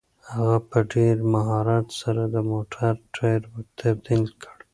هغه په ډېر مهارت سره د موټر ټایر تبدیل کړ.